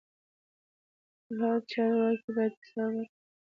هر چارواکی باید حساب ورکړي